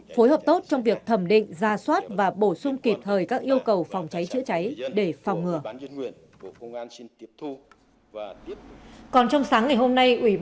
phối hợp tốt trong việc thẩm định ra soát và bổ sung kịp thời các yêu cầu phòng cháy chữa cháy